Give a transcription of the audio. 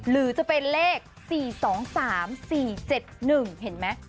หรือจะเป็นเลข๔๒๓๔๗๑เห็นไหม